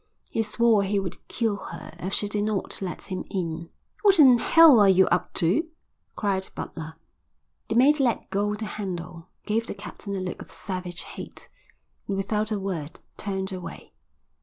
He swore he would kill her if she did not let him in. "What in hell are you up to?" cried Butler. The mate let go the handle, gave the captain a look of savage hate, and without a word turned away.